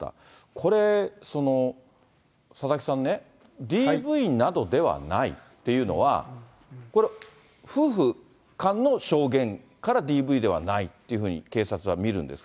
これ、佐々木さんね、ＤＶなどではないっていうのは、これ、夫婦間の証言からＤＶではないっていうふうに、警察は見るんですか？